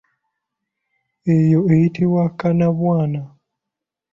Eyo eyitibwa kannabwana.